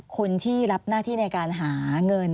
คนที่รับหน้าที่ในการหาเงิน